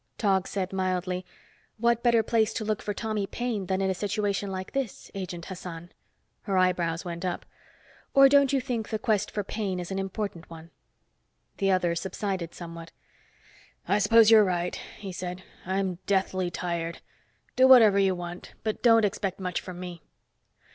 Tog said mildly, "What better place to look for Tommy Paine, than in a situation like this, Agent Hassan?" Her eyebrows went up. "Or don't you think the quest for Paine is an important one?" The other subsided somewhat. "I suppose you're right," he said. "I'm deathly tired. Do whatever you want. But don't expect much from me."